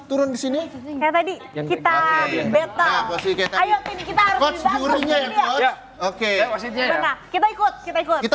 turun di sini kayak tadi kita